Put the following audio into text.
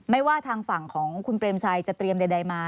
ไม่ว่าทางฝั่งของคุณเปรมชัยจะเตรียมใดมา